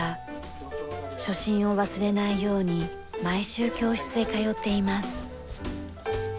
初心を忘れないように毎週教室へ通っています。